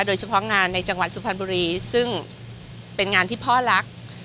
โดยเฉพาะงานในจังหวัดสุพรรณบุรีซึ่งเป็นงานที่พ่อรัก